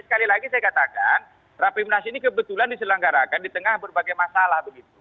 sekali lagi saya katakan rapimnas ini kebetulan diselenggarakan di tengah berbagai masalah begitu